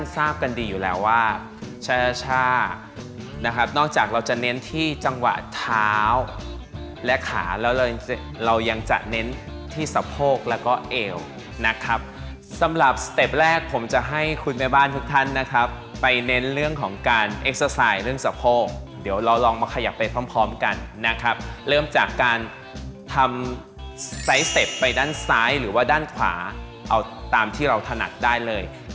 ทุกท่านทุกท่านทุกท่านทุกท่านทุกท่านทุกท่านทุกท่านทุกท่านทุกท่านทุกท่านทุกท่านทุกท่านทุกท่านทุกท่านทุกท่านทุกท่านทุกท่านทุกท่านทุกท่านทุกท่านทุกท่านทุกท่านทุกท่านทุกท่านทุกท่านทุกท่านทุกท่านทุกท่านทุกท่านทุกท่านทุกท่านทุกท่านทุกท่านทุกท่านทุกท่านทุกท่านทุกท่